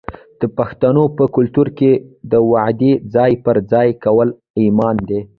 د پښتنو په کلتور کې د وعدې ځای پر ځای کول ایمان دی.